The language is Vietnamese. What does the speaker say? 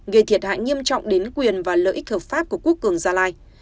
gây thiệt hại nghiêm trọng đến quyền và lợi ích hợp pháp của quốc cường gia lai